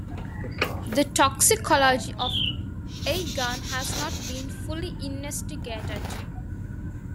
The toxicology of AlGaN has not been fully investigated.